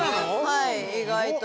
はい意外と。